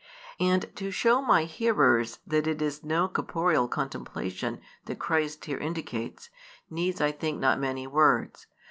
And to show my hearers that it is no corporeal contemplation that Christ here indicates, needs I think not many words.